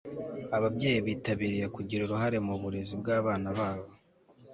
ababyeyi bitabiriye kugira uruhare mu burezi bw'abana babo